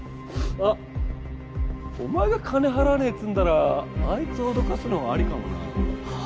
あっお前が金払わねぇっつぅならあいつ脅かすのもありかもなはあ？